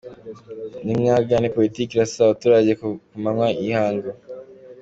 Ni mwamagane politike irasa abaturage ku manywa y’ihangu.